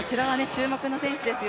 注目の選手ですよ